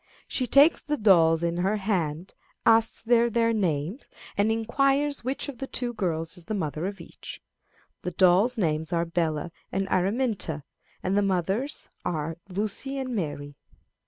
She takes the dolls in her hand, asks their names, and inquires which of the two girls is the mother of each. The dolls' names are Bella and Araminta, and the mothers' are Lucy and Mary.